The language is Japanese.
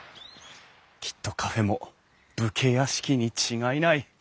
きっとカフェも武家屋敷に違いない。